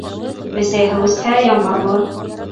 Бесәй һыу эсһә, ямғыр булыр.